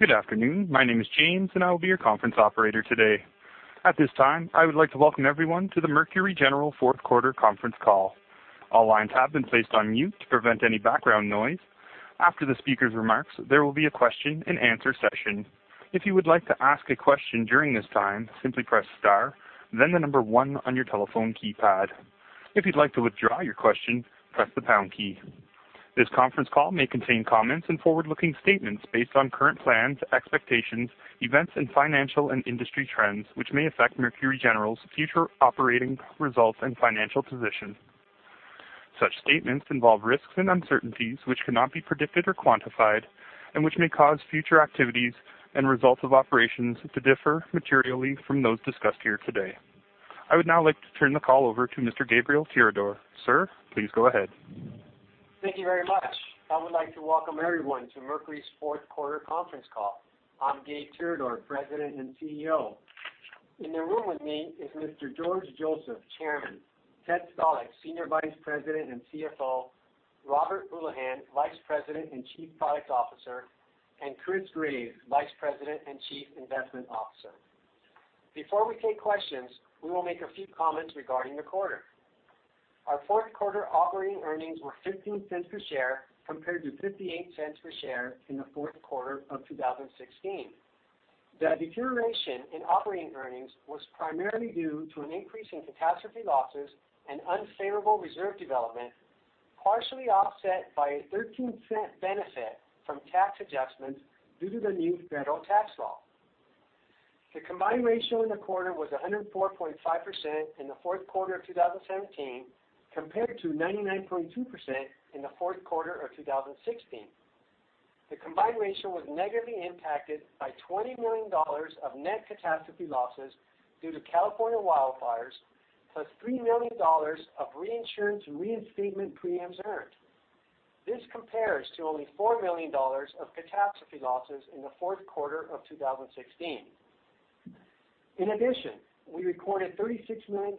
Good afternoon. My name is James, and I will be your conference operator today. At this time, I would like to welcome everyone to the Mercury General fourth quarter conference call. All lines have been placed on mute to prevent any background noise. After the speaker's remarks, there will be a question and answer session. If you would like to ask a question during this time, simply press star, then the number one on your telephone keypad. If you'd like to withdraw your question, press the pound key. This conference call may contain comments and forward-looking statements based on current plans, expectations, events and financial and industry trends, which may affect Mercury General's future operating results and financial position. Such statements involve risks and uncertainties, which cannot be predicted or quantified, and which may cause future activities and results of operations to differ materially from those discussed here today. I would now like to turn the call over to Mr. Gabriel Tirador. Sir, please go ahead. Thank you very much. I would like to welcome everyone to Mercury's fourth quarter conference call. I'm Gabe Tirador, President and CEO. In the room with me is Mr. George Joseph, Chairman, Ted Stalick, Senior Vice President and CFO, Robert Houlihan, Vice President and Chief Product Officer, and Chris Graves, Vice President and Chief Investment Officer. Before we take questions, we will make a few comments regarding the quarter. Our fourth quarter operating earnings were $0.15 per share compared to $0.58 per share in the fourth quarter of 2016. The deterioration in operating earnings was primarily due to an increase in catastrophe losses and unfavorable reserve development, partially offset by a $0.13 benefit from tax adjustments due to the new federal tax law. The combined ratio in the quarter was 104.5% in the fourth quarter of 2017, compared to 99.2% in the fourth quarter of 2016. The combined ratio was negatively impacted by $20 million of net catastrophe losses due to California wildfires, plus $3 million of reinsurance reinstatement premiums earned. This compares to only $4 million of catastrophe losses in the fourth quarter of 2016. In addition, we recorded $36 million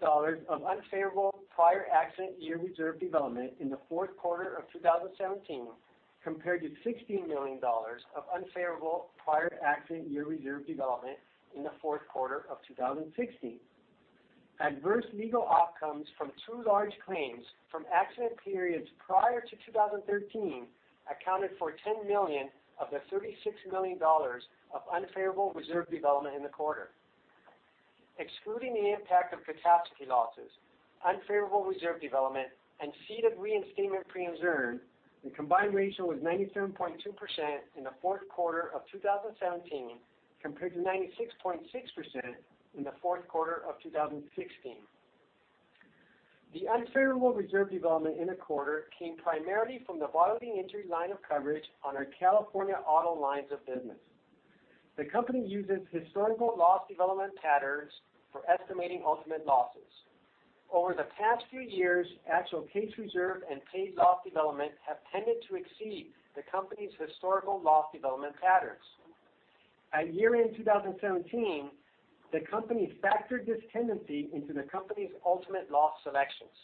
of unfavorable prior accident year reserve development in the fourth quarter of 2017, compared to $16 million of unfavorable prior accident year reserve development in the fourth quarter of 2016. Adverse legal outcomes from two large claims from accident periods prior to 2013 accounted for $10 million of the $36 million of unfavorable reserve development in the quarter. Excluding the impact of catastrophe losses, unfavorable reserve development, and ceded reinstatement premiums earned, the combined ratio was 97.2% in the fourth quarter of 2017, compared to 96.6% in the fourth quarter of 2016. The unfavorable reserve development in the quarter came primarily from the bodily injury line of coverage on our California auto lines of business. The company uses historical loss development patterns for estimating ultimate losses. Over the past few years, actual case reserve and paid loss development have tended to exceed the company's historical loss development patterns. At year-end 2017, the company factored this tendency into the company's ultimate loss selections.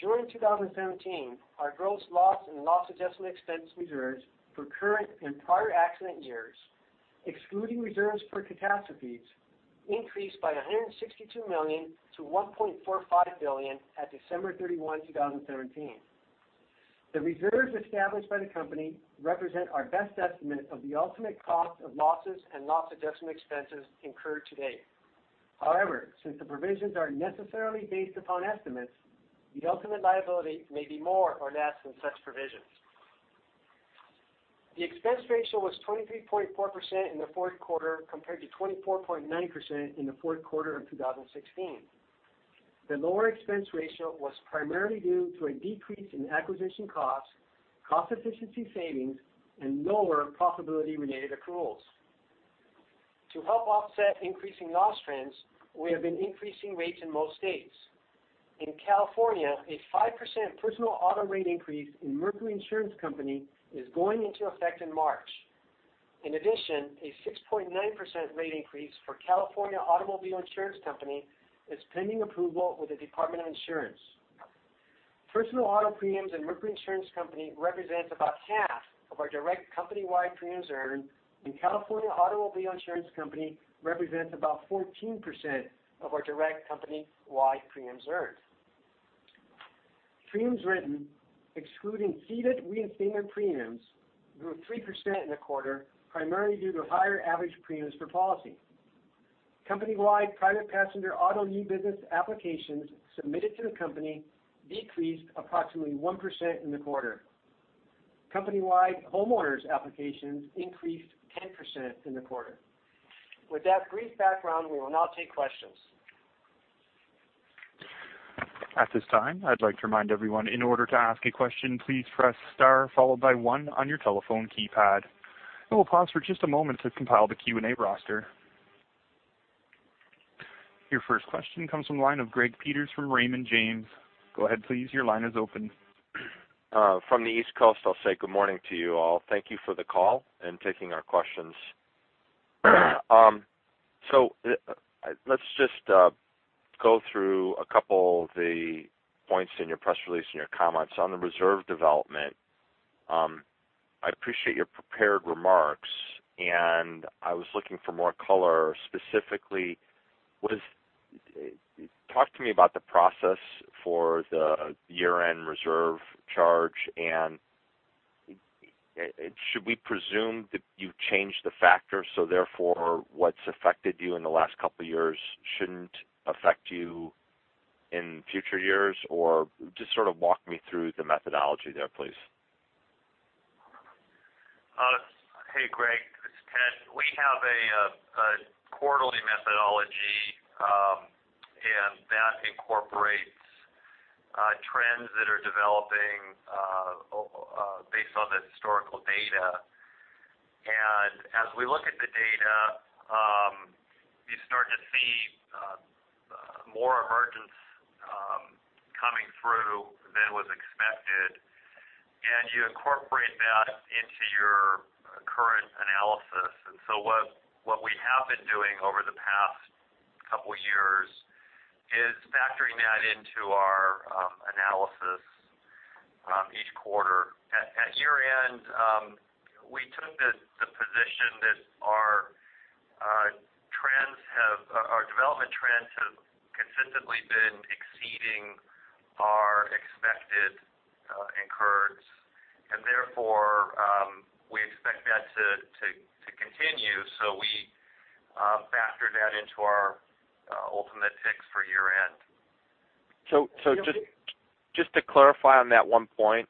During 2017, our gross loss and loss adjustment expense reserves for current and prior accident years, excluding reserves for catastrophes, increased by $162 million to $1.45 billion at December 31, 2017. The reserves established by the company represent our best estimate of the ultimate cost of losses and loss adjustment expenses incurred to date. However, since the provisions are necessarily based upon estimates, the ultimate liability may be more or less than such provisions. The expense ratio was 23.4% in the fourth quarter, compared to 24.9% in the fourth quarter of 2016. The lower expense ratio was primarily due to a decrease in acquisition costs, cost efficiency savings, and lower profitability-related accruals. To help offset increasing loss trends, we have been increasing rates in most states. In California, a 5% personal auto rate increase in Mercury Insurance Company is going into effect in March. In addition, a 6.9% rate increase for California Automobile Insurance Company is pending approval with the Department of Insurance. Personal auto premiums in Mercury Insurance Company represents about half of our direct company-wide premiums earned, and California Automobile Insurance Company represents about 14% of our direct company-wide premiums earned. Premiums written, excluding ceded reinstatement premiums, grew 3% in the quarter, primarily due to higher average premiums per policy. Company-wide private passenger auto new business applications submitted to the company decreased approximately 1% in the quarter. Company-wide homeowners applications increased 10% in the quarter. With that brief background, we will now take questions. At this time, I'd like to remind everyone, in order to ask a question, please press star followed by one on your telephone keypad. I will pause for just a moment to compile the Q&A roster. Your first question comes from the line of Greg Peters from Raymond James. Go ahead, please. Your line is open. From the East Coast, I'll say good morning to you all. Thank you for the call and taking our questions. Let's just go through a couple of the points in your press release and your comments on the reserve development. I appreciate your prepared remarks, and I was looking for more color, specifically, talk to me about the process for the year-end reserve charge, and should we presume that you've changed the factors, so therefore, what's affected you in the last couple of years shouldn't affect you in future years? Just sort of walk me through the methodology there, please. Hey, Greg, this is Ken. We have a quarterly methodology, that incorporates trends that are developing based on the historical data. As we look at the data, you start to see more emergence coming through than was expected, and you incorporate that into your current analysis. What we have been doing over the past couple of years is factoring that into our analysis each quarter. At year-end, we took the position that our development trends have consistently been exceeding our expected incurred, and therefore, we expect that to continue, so we factored that into our ultimate fix for year-end. Just to clarify on that one point,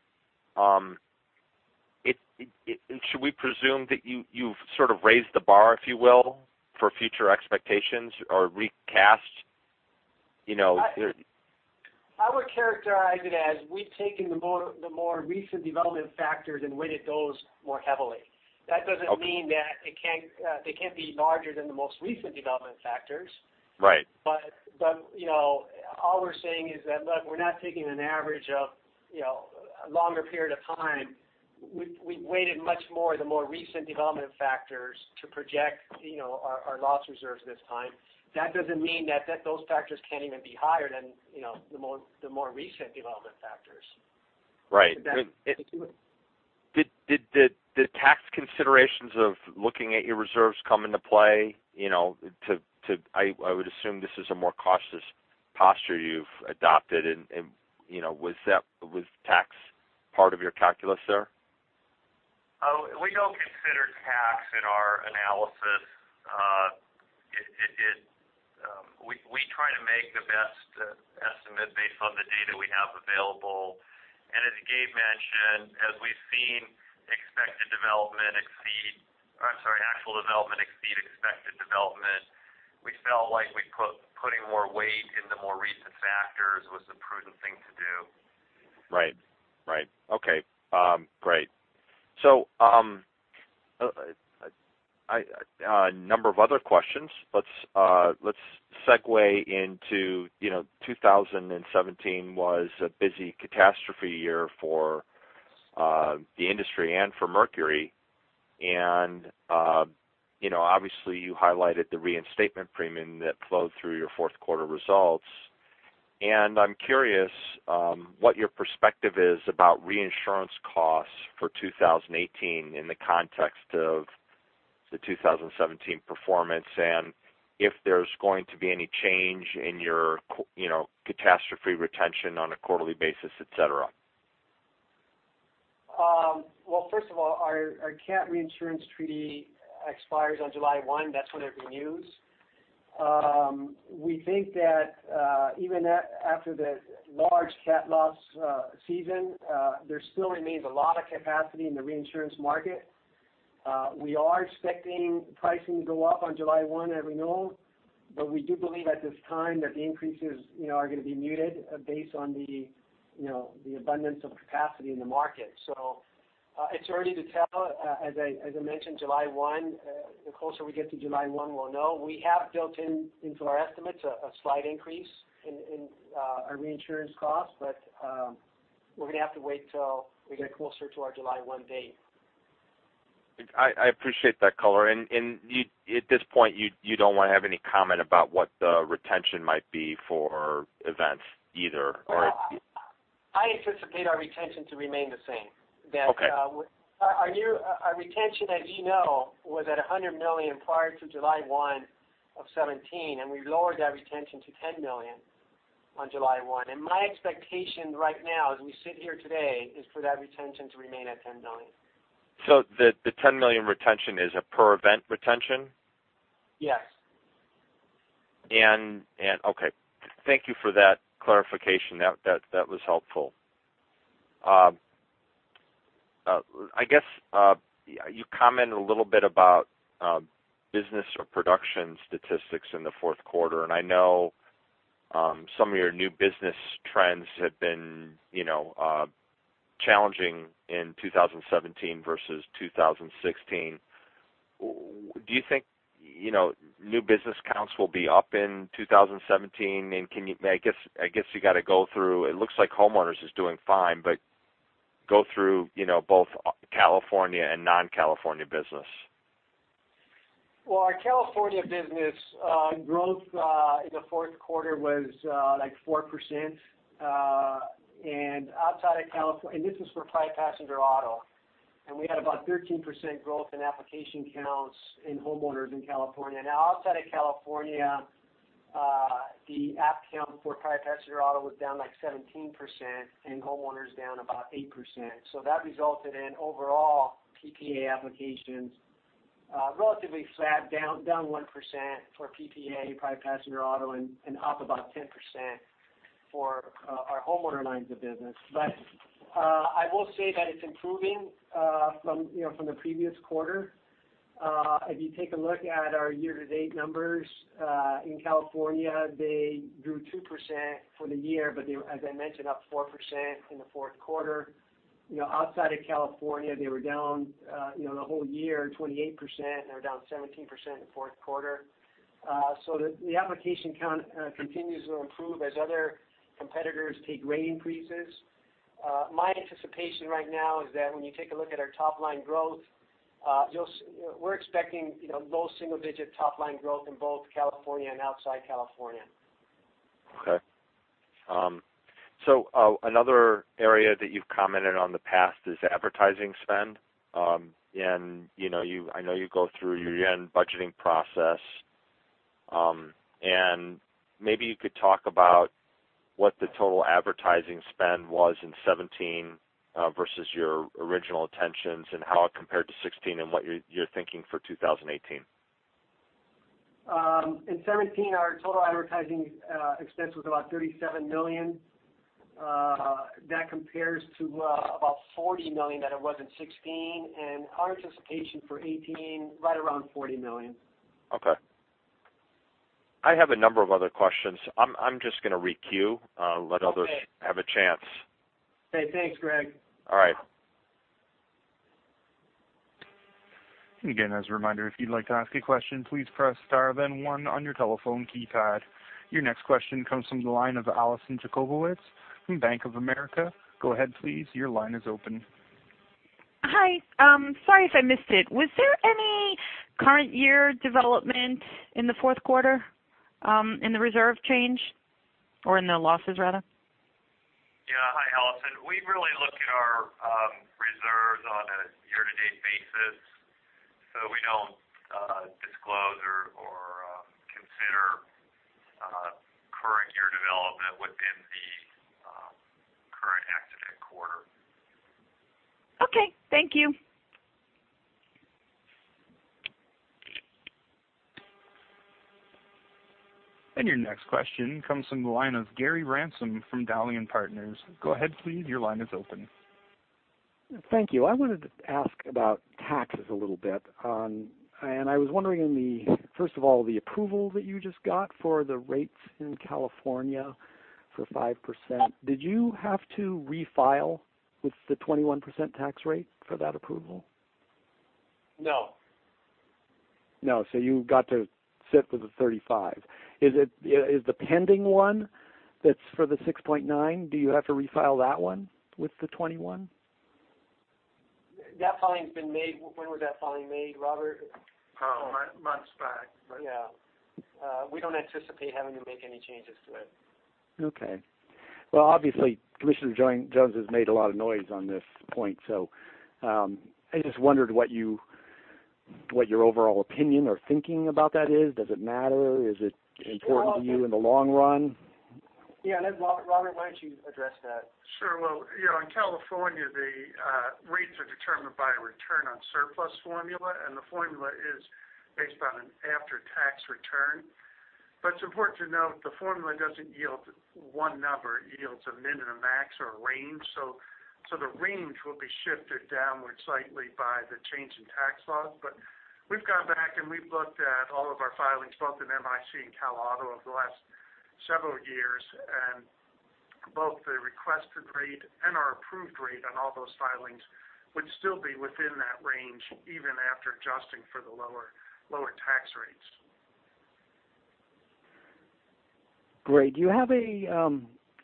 should we presume that you've sort of raised the bar, if you will, for future expectations or recast? I would characterize it as we've taken the more recent development factors and weighted those more heavily. Okay. That doesn't mean that they can't be larger than the most recent development factors. Right. All we're saying is that, look, we're not taking an average of a longer period of time. We've weighted much more the more recent development factors to project our loss reserves this time. That doesn't mean that those factors can't even be higher than the more recent development factors. Right. Did the tax considerations of looking at your reserves come into play? I would assume this is a more cautious posture you've adopted, and was tax part of your calculus there? We don't consider tax in our analysis. We try to make the best estimate based on the data we have available. As Gabe mentioned, as we've seen actual development exceed expected development, we felt like putting more weight in the more recent factors was the prudent thing to do. Right. Okay. Great. A number of other questions. Let's segue into 2017 was a busy catastrophe year for the industry and for Mercury. Obviously you highlighted the reinstatement premium that flowed through your fourth quarter results. I'm curious what your perspective is about reinsurance costs for 2018 in the context of the 2017 performance, and if there's going to be any change in your catastrophe retention on a quarterly basis, et cetera. First of all, our cat reinsurance treaty expires on July 1. That's when it renews. We think that even after the large cat loss season, there still remains a lot of capacity in the reinsurance market. We are expecting pricing to go up on July 1 at renewal. We do believe at this time that the increases are going to be muted based on the abundance of capacity in the market. It's early to tell. As I mentioned, July 1, the closer we get to July 1, we'll know. We have built into our estimates a slight increase in our reinsurance costs. We're going to have to wait till we get closer to our July 1 date. I appreciate that color. At this point, you don't want to have any comment about what the retention might be for events either, or- I anticipate our retention to remain the same. Okay. Our retention, as you know, was at $100 million prior to July 1 of 2017, we've lowered that retention to $10 million on July 1. My expectation right now as we sit here today is for that retention to remain at $10 million. The $10 million retention is a per event retention? Yes. Okay. Thank you for that clarification. That was helpful. I guess you commented a little bit about business or production statistics in the fourth quarter, and I know some of your new business trends have been challenging in 2017 versus 2016. Do you think new business counts will be up in 2017? I guess you got to go through, it looks like homeowners is doing fine. Go through both California and non-California business. Well, our California business growth in the fourth quarter was 4%, and this was for private passenger auto. We had about 13% growth in application counts in homeowners in California. Outside of California, the app count for private passenger auto was down 17%, and homeowners down about 8%. That resulted in overall PPA applications, relatively flat, down 1% for PPA, private passenger auto, and up about 10% for our homeowner lines of business. I will say that it's improving from the previous quarter. If you take a look at our year-to-date numbers, in California, they grew 2% for the year, they, as I mentioned, up 4% in the fourth quarter. Outside of California, they were down the whole year, 28%, and they were down 17% in the fourth quarter. The application count continues to improve as other competitors take rate increases. My anticipation right now is that when you take a look at our top-line growth, we're expecting low single-digit top-line growth in both California and outside California. Okay. Another area that you've commented on the past is advertising spend. I know you go through your budgeting process. Maybe you could talk about what the total advertising spend was in 2017 versus your original intentions, and how it compared to 2016, and what you're thinking for 2018. In 2017, our total advertising expense was about $37 million. That compares to about $40 million that it was in 2016, and our anticipation for 2018, right around $40 million. Okay. I have a number of other questions. I'm just going to re-queue, let others have a chance. Okay. Hey, thanks, Greg. All right. As a reminder, if you'd like to ask a question, please press star then one on your telephone keypad. Your next question comes from the line of Alison Jacobowitz from Bank of America. Go ahead, please. Your line is open. Hi. Sorry if I missed it. Was there any current year development in the fourth quarter, in the reserve change, or in the losses, rather? Yeah. Hi, Alison. We really look at our reserves on a year-to-date basis, so we don't disclose or consider current year development within the current accident quarter. Okay. Thank you. Your next question comes from the line of Gary Ransom from Dowling & Partners. Go ahead, please. Your line is open. Thank you. I wanted to ask about taxes a little bit. First of all, the approval that you just got for the rates in California for 5%. Did you have to refile with the 21% tax rate for that approval? No. No. You got to sit with the 35. Is the pending one that's for the 6.9, do you have to refile that one with the 21? That filing's been made. When was that filing made, Robert? Months back. Yeah. We don't anticipate having to make any changes to it. Okay. Well, obviously, Commissioner Jones has made a lot of noise on this point. I just wondered what your overall opinion or thinking about that is. Does it matter? Is it important to you in the long run? Yeah. Robert, why don't you address that? Sure. Well, in California, the rates are determined by a return on surplus formula. The formula is based on an after-tax return. It's important to note, the formula doesn't yield one number. It yields a min and a max or a range. The range will be shifted downward slightly by the change in tax laws. We've gone back, and we've looked at all of our filings, both in MIC and Cal Auto over the last several years. Both the requested rate and our approved rate on all those filings would still be within that range, even after adjusting for the lower tax rates. Great. Do you have a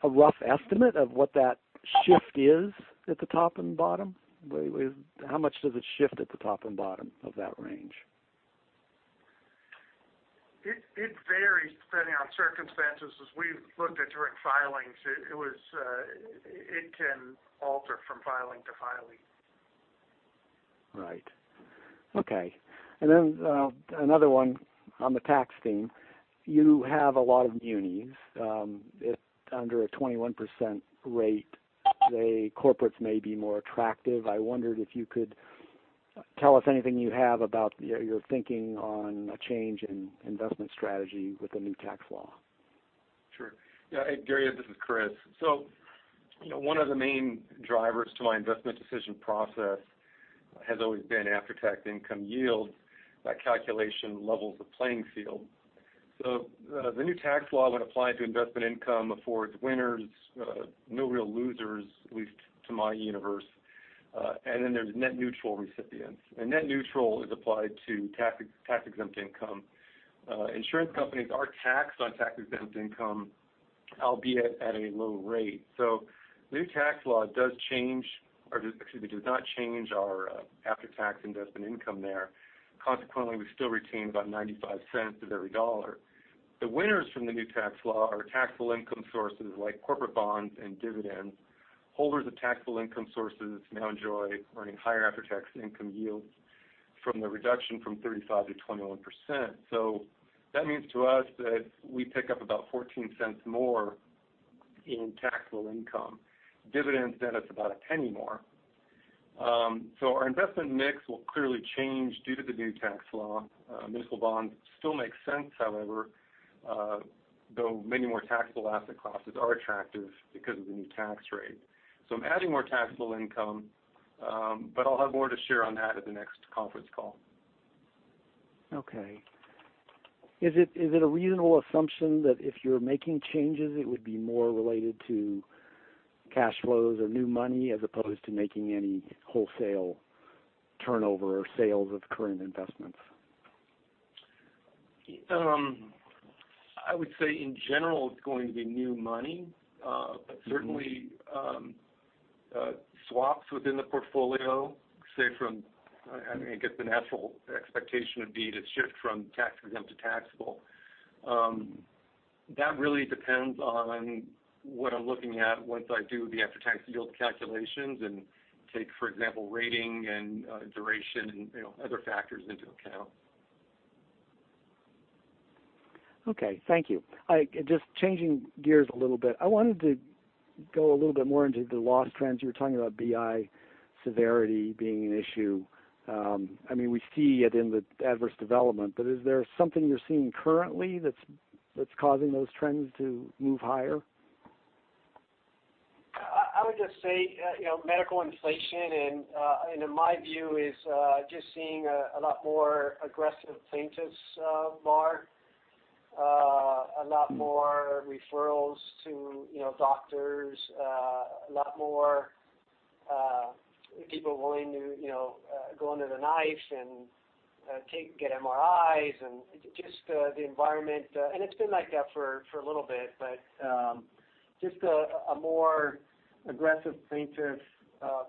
rough estimate of what that shift is at the top and bottom? How much does it shift at the top and bottom of that range? It varies depending on circumstances. As we've looked at different filings, it can alter from filing to filing. Right. Okay. Then another one on the tax theme. You have a lot of munis under a 21% rate. The corporates may be more attractive. I wondered if you could tell us anything you have about your thinking on a change in investment strategy with the new tax law. Sure. Yeah. Hey, Gary, this is Chris. One of the main drivers to my investment decision process has always been after-tax income yield. That calculation levels the playing field. The new tax law, when applied to investment income, affords winners, no real losers, at least to my universe. Then there's net neutral recipients. Net neutral is applied to tax-exempt income. Insurance companies are taxed on tax-exempt income, albeit at a low rate. The new tax law does not change our after-tax investment income there. Consequently, we still retain about $0.95 of every dollar. The winners from the new tax law are taxable income sources like corporate bonds and dividends. Holders of taxable income sources now enjoy earning higher after-tax income yields from the reduction from 35% to 21%. That means to us that we pick up about $0.14 more in taxable income. Dividends net us about $0.01 more. Our investment mix will clearly change due to the new tax law. Municipal bonds still make sense, however, though many more taxable asset classes are attractive because of the new tax rate. I'm adding more taxable income, but I'll have more to share on that at the next conference call. Okay. Is it a reasonable assumption that if you're making changes, it would be more related to cash flows or new money as opposed to making any wholesale turnover or sales of current investments? I would say in general, it's going to be new money. Certainly swaps within the portfolio, say from, I guess the natural expectation would be to shift from tax-exempt to taxable. That really depends on what I'm looking at once I do the after-tax yield calculations and take, for example, rating and duration and other factors into account. Okay. Thank you. Just changing gears a little bit. I wanted to go a little bit more into the loss trends. You were talking about BI severity being an issue. We see it in the adverse development, but is there something you're seeing currently that's causing those trends to move higher? I would just say medical inflation. In my view is just seeing a lot more aggressive plaintiffs bar, a lot more referrals to doctors, a lot more people willing to go under the knife and get MRIs and just the environment. It's been like that for a little bit, but just a more aggressive plaintiff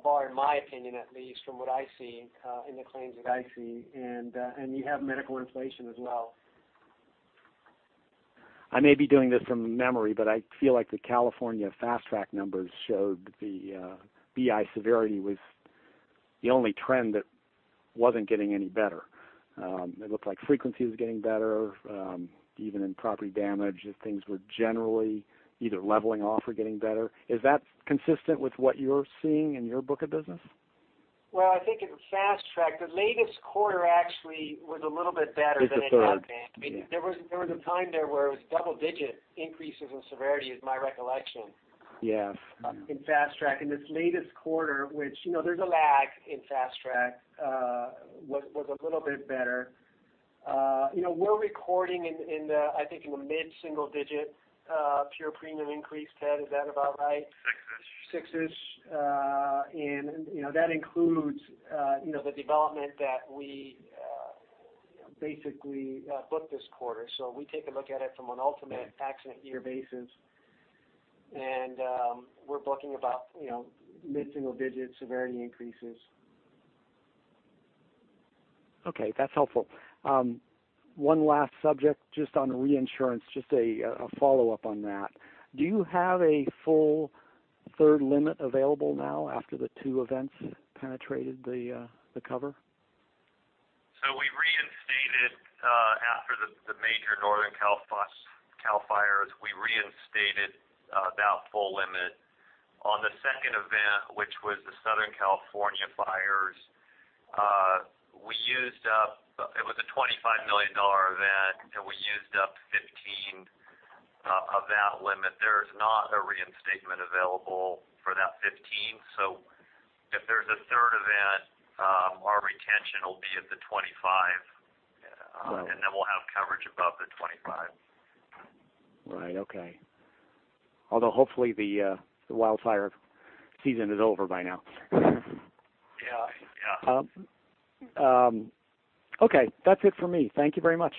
bar, in my opinion, at least from what I see in the claims that I see. You have medical inflation as well. I may be doing this from memory. I feel like the California Fast Track numbers showed the BI severity was the only trend that wasn't getting any better. It looked like frequency was getting better. Even in property damage, things were generally either leveling off or getting better. Is that consistent with what you're seeing in your book of business? Well, I think in Fast Track, the latest quarter actually was a little bit better than it had been. It's a third. Yeah. There was a time there where it was double-digit increases in severity is my recollection. Yes. In Fast Track. In this latest quarter, which there is a lag in Fast Track, was a little bit better. We are recording in the, I think, in the mid-single digit pure premium increase. Ted, is that about right? Six-ish. Six-ish. That includes the development that we basically book this quarter. We take a look at it from an ultimate accident year basis, and we are booking about mid-single digit severity increases. Okay. That is helpful. One last subject just on reinsurance, just a follow-up on that. Do you have a full third limit available now after the two events penetrated the cover? We reinstated after the major Northern Cal fires, we reinstated about full limit. On the second event, which was the Southern California fires, it was a $25 million event, and we used up $15 of that limit. There's not a reinstatement available for that $15. If there's a third event, our retention will be at the $25. Right. We'll have coverage above the $25. Right. Okay. Although, hopefully, the wildfire season is over by now. Yeah. Okay. That's it for me. Thank you very much.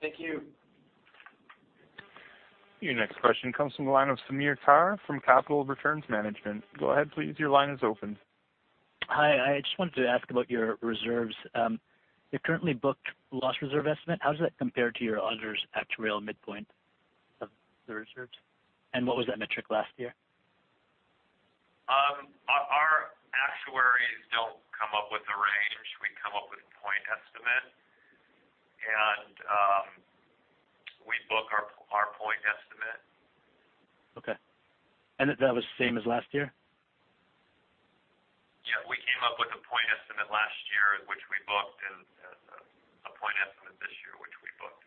Thank you. Your next question comes from the line of Samir Tar from Capital Returns Management. Go ahead, please. Your line is open. Hi. I just wanted to ask about your reserves. You currently booked loss reserve estimate. How does that compare to your others actuarial midpoint of the reserves? What was that metric last year? Our actuaries don't come up with the range. We come up with point estimate, and we book our point estimate. Okay. That was the same as last year? Yeah. We came up with a point estimate last year, which we booked, and a point estimate this year, which we booked.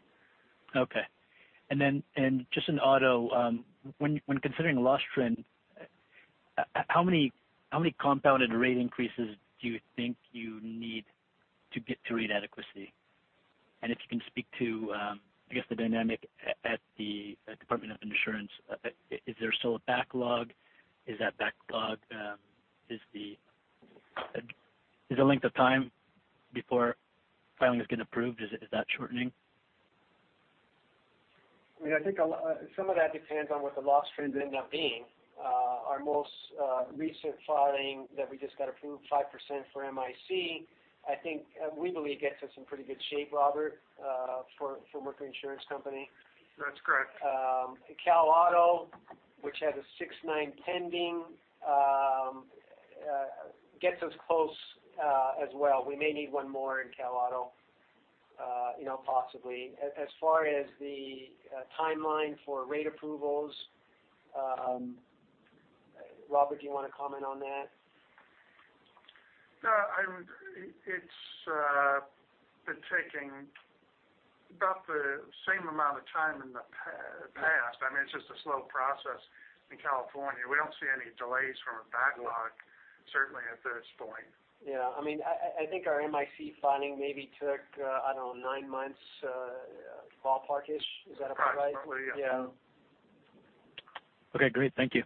Okay. Just in auto, when considering a loss trend, how many compounded rate increases do you think you need to get to rate adequacy? If you can speak to, I guess, the dynamic at the Department of Insurance. Is there still a backlog? Is the length of time before filings get approved, is that shortening? I think some of that depends on what the loss trends end up being. Our most recent filing that we just got approved, 5% for MIC, I think we believe gets us in pretty good shape, Robert, for Mercury Insurance Company. That's correct. Cal Auto, which has a 69 pending, gets us close as well. We may need one more in Cal Auto, possibly. As far as the timeline for rate approvals, Robert, do you want to comment on that? It's been taking about the same amount of time in the past. It's just a slow process in California. We don't see any delays from a backlog, certainly at this point. Yeah. I think our MIC filing maybe took, I don't know, nine months, ballpark-ish. Is that about right? Probably. Yeah. Okay, great. Thank you.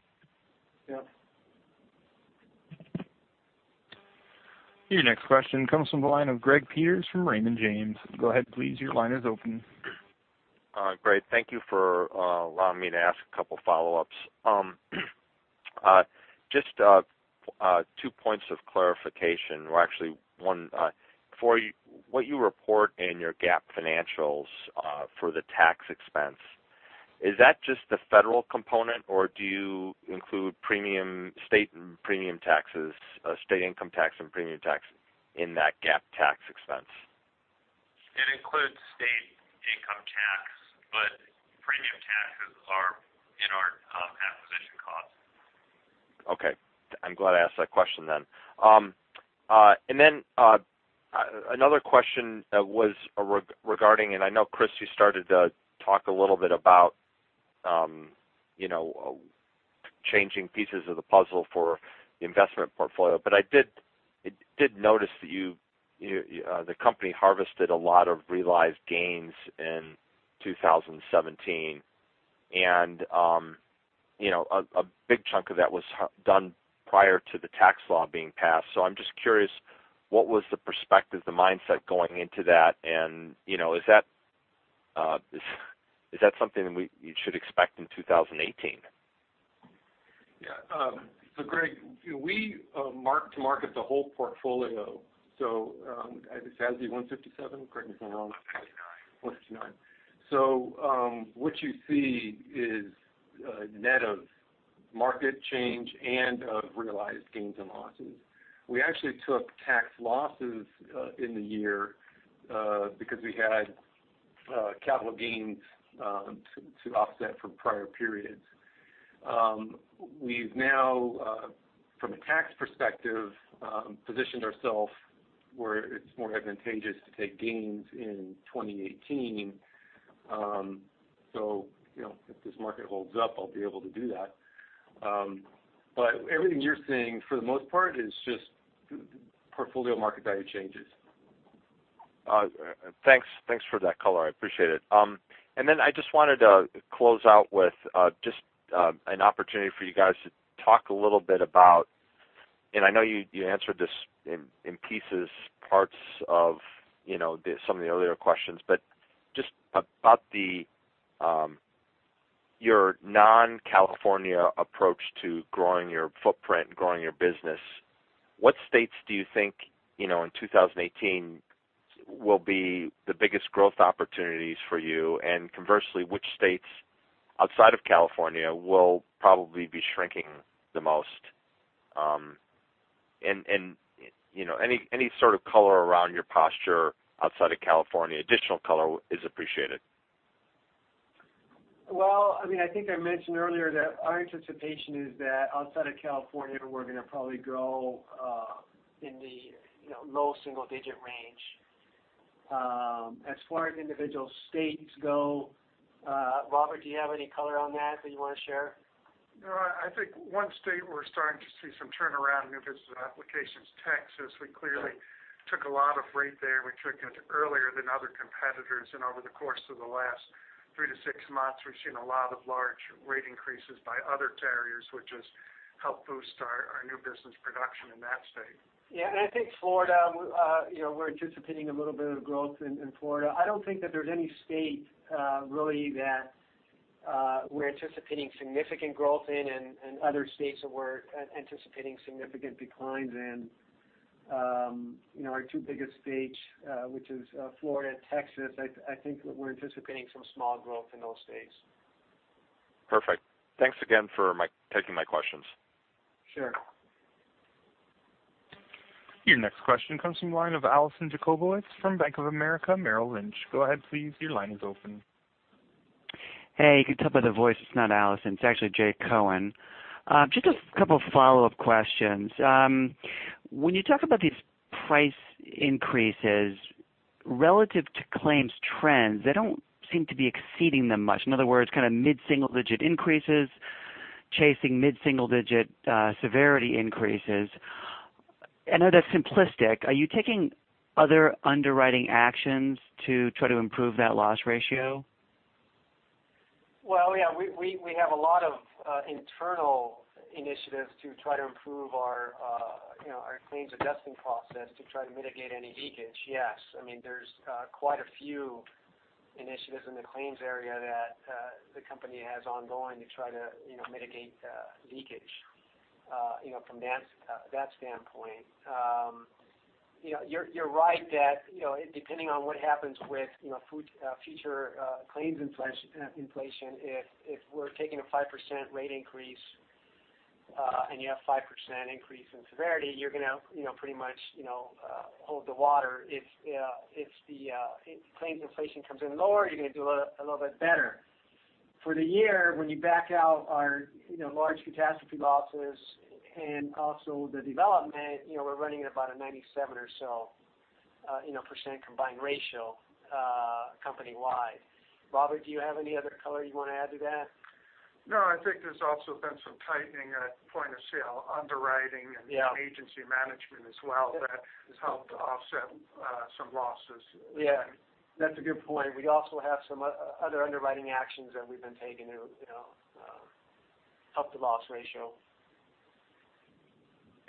Yeah. Your next question comes from the line of Greg Peters from Raymond James. Go ahead, please. Your line is open. Greg, thank you for allowing me to ask a couple of follow-ups. Just two points of clarification. Well, actually, one. What you report in your GAAP financials for the tax expense, is that just the federal component, or do you include state income tax and premium tax in that GAAP tax expense? It includes state income tax, but premium taxes are in our acquisition costs. Okay. I'm glad I asked that question then. Another question was regarding, and I know, Chris, you started to talk a little bit about changing pieces of the puzzle for the investment portfolio. I did notice that the company harvested a lot of realized gains in 2017, and a big chunk of that was done prior to the tax law being passed. I'm just curious, what was the perspective, the mindset going into that, and is that something we should expect in 2018? Yeah. Greg, we mark to market the whole portfolio. Is it 157, Greg? Am I wrong? 159. 159. What you see is a net of market change and of realized gains and losses. We actually took tax losses in the year because we had capital gains to offset from prior periods. We've now from a tax perspective, positioned ourself where it's more advantageous to take gains in 2018. If this market holds up, I'll be able to do that. Everything you're seeing, for the most part, is just portfolio market value changes. Thanks for that color. I appreciate it. I just wanted to close out with just an opportunity for you guys to talk a little bit about, and I know you answered this in pieces, parts of some of the earlier questions, but just about your non-California approach to growing your footprint and growing your business. What states do you think, in 2018, will be the biggest growth opportunities for you? Conversely, which states outside of California will probably be shrinking the most? Any sort of color around your posture outside of California, additional color is appreciated. Well, I think I mentioned earlier that our anticipation is that outside of California, we're going to probably grow in the low single digit range. As far as individual states go, Robert, do you have any color on that that you want to share? No, I think one state we're starting to see some turnaround in new business applications, Texas. We clearly took a lot of rate there. We took it earlier than other competitors, over the course of the last three to six months, we've seen a lot of large rate increases by other carriers, which has helped boost our new business production in that state. Yeah, I think Florida, we're anticipating a little bit of growth in Florida. I don't think that there's any state really that we're anticipating significant growth in and other states that we're anticipating significant declines in. Our two biggest states, which is Florida and Texas, I think that we're anticipating some small growth in those states. Perfect. Thanks again for taking my questions. Sure. Your next question comes from the line of Alison Jacobowitz from Bank of America Merrill Lynch. Go ahead, please. Your line is open. Hey, you can tell by the voice, it's not Alison. It's actually Jay Cohen. Just a couple follow-up questions. When you talk about these price increases relative to claims trends, they don't seem to be exceeding them much. In other words, kind of mid-single digit increases chasing mid-single digit severity increases. I know that's simplistic. Are you taking other underwriting actions to try to improve that loss ratio? Well, yeah, we have a lot of internal initiatives to try to improve our claims adjusting process to try to mitigate any leakage. Yes. There's quite a few initiatives in the claims area that the company has ongoing to try to mitigate leakage from that standpoint. You're right that, depending on what happens with future claims inflation, if we're taking a 5% rate increase, and you have 5% increase in severity, you're going to pretty much hold the water. If the claims inflation comes in lower, you're going to do a little bit better. For the year, when you back out our large catastrophe losses and also the development, we're running at about a 97% or so combined ratio company-wide. Robert, do you have any other color you want to add to that? No, I think there's also been some tightening at point of sale underwriting. Yeah agency management as well that has helped to offset some losses. Yeah. That's a good point. We also have some other underwriting actions that we've been taking to help the loss ratio.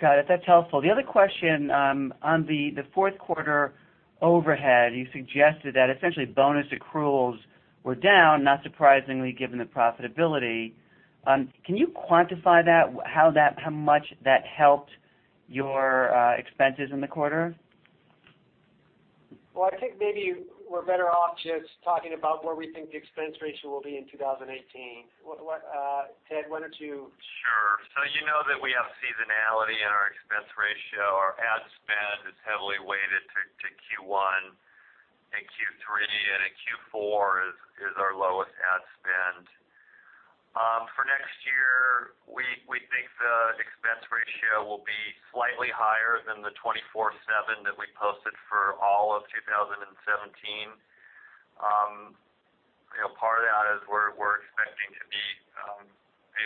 Got it. That's helpful. The other question, on the fourth quarter overhead, you suggested that essentially bonus accruals were down, not surprisingly, given the profitability. Can you quantify that? How much that helped your expenses in the quarter? Well, I think maybe we're better off just talking about where we think the expense ratio will be in 2018. Ted, why don't you. Sure. You know that we have seasonality in our expense ratio. Our ad spend is heavily weighted to Q1 and Q3, and in Q4 is our lowest ad spend. For next year, we think the expense ratio will be slightly higher than the 24.7% that we posted for all of 2017. Part of that is we're expecting to be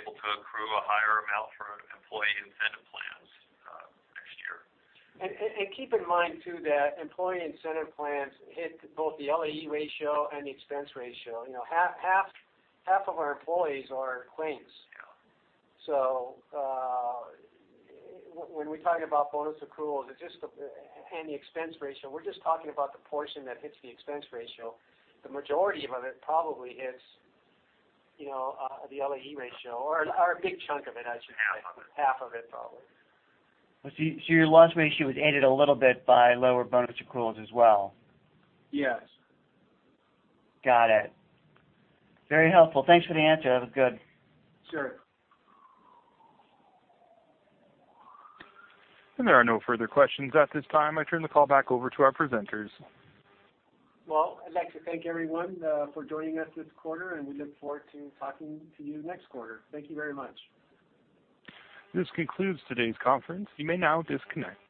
able to accrue a higher amount for employee incentive plans next year. Keep in mind, too, that employee incentive plans hit both the LAE ratio and the expense ratio. Half of our employees are claims. Yeah. When we talk about bonus accruals and the expense ratio, we're just talking about the portion that hits the expense ratio. The majority of it probably hits the LAE ratio, or a big chunk of it, I should say. Half of it, probably. Your loss ratio was aided a little bit by lower bonus accruals as well? Yes. Got it. Very helpful. Thanks for the answer. That was good. Sure. There are no further questions at this time. I turn the call back over to our presenters. Well, I'd like to thank everyone for joining us this quarter, and we look forward to talking to you next quarter. Thank you very much. This concludes today's conference. You may now disconnect.